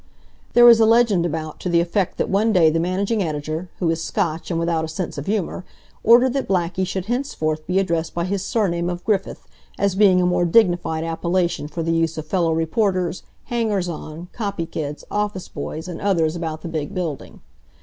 There is a legend about to the effect that one day the managing editor, who is Scotch and without a sense of humor, ordered that Blackie should henceforth be addressed by his surname of Griffith, as being a more dignified appellation for the use of fellow reporters, hangers on, copy kids, office boys and others about the big building.